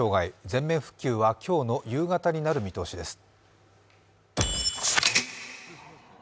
全面復旧は今日の夕方になる見通しです。